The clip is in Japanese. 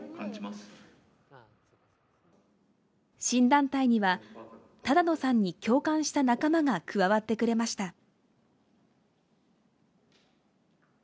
新団体には只野さんに共感した仲間が加わってくれました。